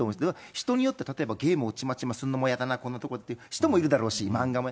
人によっては例えばゲームをちまちまするのもやだな、こんなとこでっていう人もいるだろうし、漫画も。